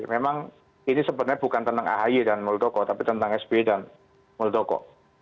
memang ini sebenarnya bukan tentang ahy dan muldoko tapi tentang sbe dan muldoko